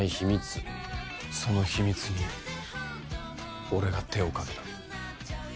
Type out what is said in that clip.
その秘密に俺が手をかけた。